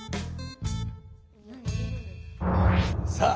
さあ